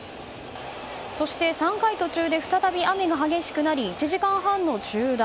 そして、３回途中で再び雨が激しくなり１時間半の中断。